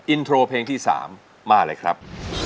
อินโทรเพลงที่๓มาเลยครับ